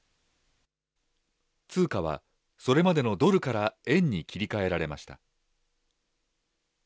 通貨はそれまでのドルから円に切り替えられました。